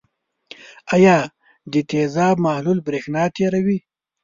آیا د تیزاب محلول برېښنا تیروي؟